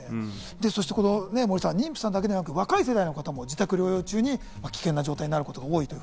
そして妊婦さんだけじゃなく若い世代の方も自宅療養中に危険な状態になることが多いと。